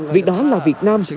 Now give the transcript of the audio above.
vì đó là việt nam